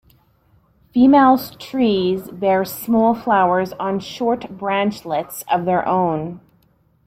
Female trees bear small flowers on short branchlets of their own.